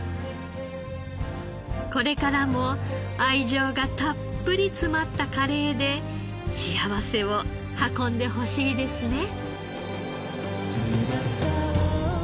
これからも愛情がたっぷり詰まったカレーで幸せを運んでほしいですね。